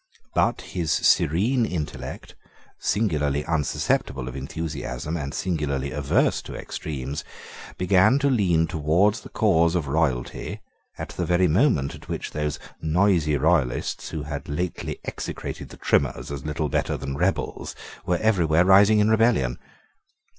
But his serene intellect, singularly unsusceptible of enthusiasm, and singularly averse to extremes, began to lean towards the cause of royalty at the very moment at which those noisy Royalists who had lately execrated the Trimmers as little bettor than rebels were everywhere rising in rebellion.